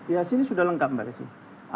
ya di sini sudah lengkap mbak ya sih